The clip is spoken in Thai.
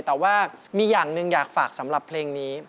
แต่ว่ามีอย่างหนึ่งอยากฝากสำหรับเพลงนี้